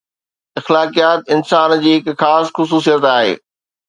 اخلاقيات انسان جي هڪ خاص خصوصيت آهي